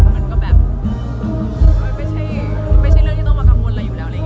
มันไม่ใช่ไม่ใช่เรื่องที่ต้องมากังวลอะไรอยู่แล้ว